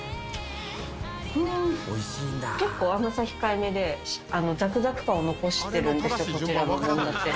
結構甘さ控えめでザクザク感を残してるんですよこちらのずんだって。